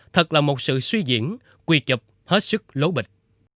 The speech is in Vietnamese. thật là một sự suy diễn quy trục hết sức lố bịch